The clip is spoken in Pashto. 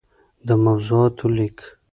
دموضوعاتو ليــک